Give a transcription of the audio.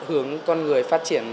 hướng con người phát triển